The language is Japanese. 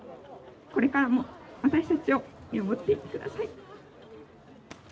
これからも私たちを見守っていて下さい」。